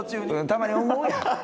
たまに思うやん。